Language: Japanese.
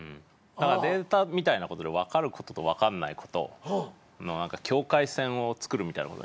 データみたいなことで分かることと分かんないことの境界線を作るみたいなことに興味がある。